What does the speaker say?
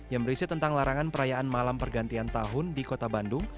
yang berisi tentang larangan perayaan malam pergantian tahun di kota bandung